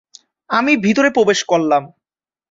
আমি ভিতরে প্রবেশ করলাম।